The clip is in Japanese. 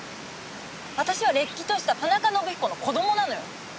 私はれっきとした田中伸彦の子供なのよ！